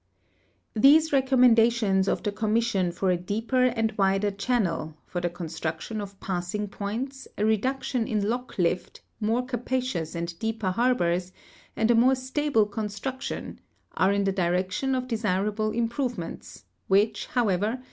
These recommendations of the commission for a deeper and Avider channel, for the construction of pa.ssing points, a reduc tion in lock lift, more cai)acious and deeper harbors, and a more stable construction, are in the direction of desirable improA'e ments, Avhich, hoAVCA'er.